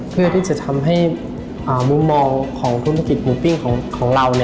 เพื่อที่จะทำให้มุมมองของธุรกิจหมูปิ้งของเรา